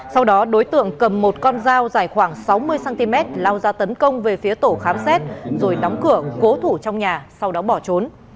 sau đó đối tượng cầm một con dao dài khoảng sáu mươi cm lao ra tấn công về phía tổ khám xét rồi đóng cửa cố thủ trong nhà sau đó bỏ trốn